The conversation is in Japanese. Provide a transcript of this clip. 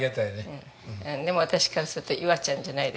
でも私からすると「いわちゃん」じゃないです。